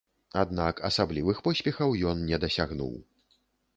Аднак асаблівых поспехаў ён не дасягнуў.